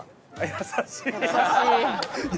優しい。